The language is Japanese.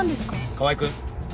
川合君助